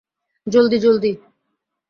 জলদি, জলদি।